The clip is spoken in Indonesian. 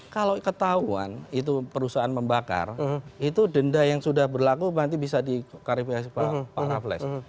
kalau ketahuan itu perusahaan membakar itu denda yang sudah berlaku nanti bisa dikarifikasi pak raffles